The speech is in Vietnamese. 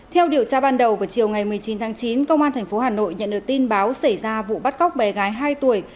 theo điều tra ban đầu vào chiều ngày một mươi chín tháng chín công an tp hà nội nhận được tin báo xảy ra vụ bắt cóc bé gái hai tuổi